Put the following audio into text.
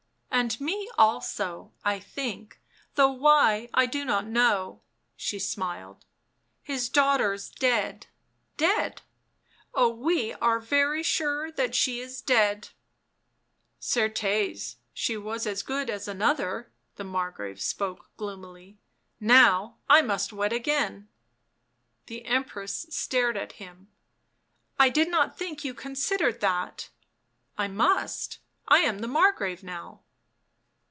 " And me also, I think, though why I do not know," she smiled. " His daughter's dead, dead ... oh, we arc very sure that she is dead." " Certes, she was as good as another," the Margrave spoke gloomily. <c Now I must wed again." The Empress stared at him. " I did not think you considered that." " I must. I am the Margrave now."